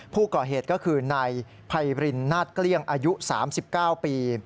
ผู้ก่อเหตุก็คือนายไพรินนาฏเกลี้ยงอายุ๓๙ปี